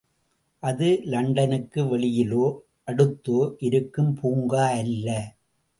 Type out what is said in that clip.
அது இலண்டனுக்கு, வெளியிலோ, அடுத்தோ இருக்கும் பூங்கா அல்ல.